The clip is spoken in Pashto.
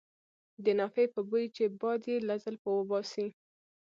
د نافې په بوی چې باد یې له زلفو وباسي.